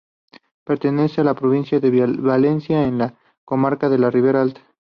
Pertenece a la Provincia de Valencia, en la comarca de la Ribera Alta.